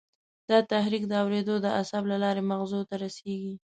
دا تحریک د اورېدو د عصب له لارې مغزو ته رسېږي.